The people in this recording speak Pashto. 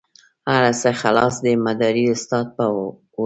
هر څه خلاص دي مداري استاد به اوس.